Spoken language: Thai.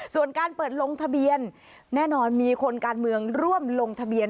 ส่วนการเปิดลงทะเบียนแน่นอนมีคนการเมืองร่วมลงทะเบียน